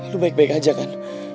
lu baik baik aja kan